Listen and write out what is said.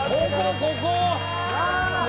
「ここ！